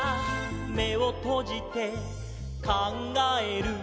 「めをとじてかんがえる」